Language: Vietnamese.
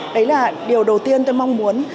đấy là điều đầu tiên tôi mong muốn